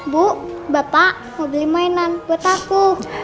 bu bapak mau beli mainan buat aku